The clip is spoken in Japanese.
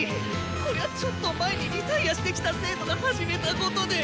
これはちょっと前にリタイアしてきた生徒が始めたことで。